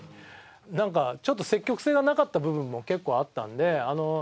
なんかちょっと積極性がなかった部分も結構あったんで。